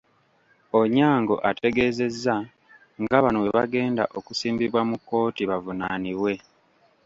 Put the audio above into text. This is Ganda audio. Onyango ategeezezza nga bano bwe bagenda okusimbibwa mu kkooti, bavunaanibwe.